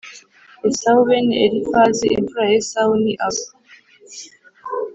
Esawu Bene Elifazi imfura ya Esawu ni aba